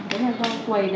cái này do quầy đấy